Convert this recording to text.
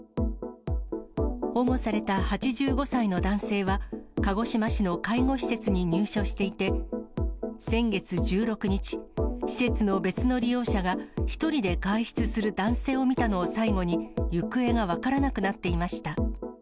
保護された８５歳の男性は、鹿児島市の介護施設に入所していて、先月１６日、施設の別の利用者が１人で外出する男性を見たのを最後に、行方が分からなくなっていました。